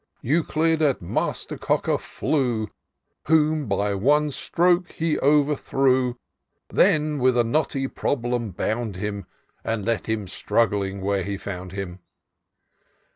Euclid at Master Cocker flew, Whom by one stroke he overthrew ; Then with a knotty problem bound him. And left him struggling where he found him.